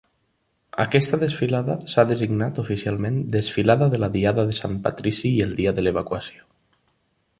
Aquesta desfilada s'ha designat oficialment Desfilada de la Diada de Sant Patrici i el Dia de l'Evacuació.